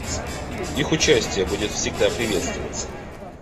Их участие будет всегда приветствоваться.